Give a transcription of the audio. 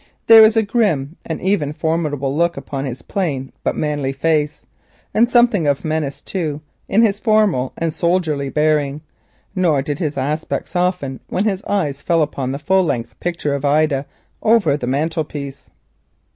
There was a grim and even a formidable look upon his plain but manly face, and something of menace, too, in his formal and soldierly bearing; nor did his aspect soften when his eyes fell upon the full length picture of Ida over the mantelpiece.